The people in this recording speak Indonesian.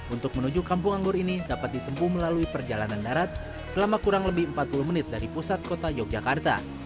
untuk menuju kampung anggur ini dapat ditempuh melalui perjalanan darat selama kurang lebih empat puluh menit dari pusat kota yogyakarta